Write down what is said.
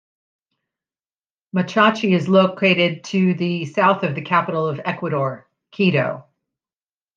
Machachi is located to the south of the capital of Ecuador, Quito.